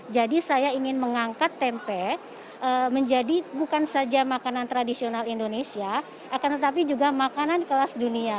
jadi saya ingin mengangkat tempe menjadi bukan saja makanan tradisional indonesia akan tetapi juga makanan kelas dunia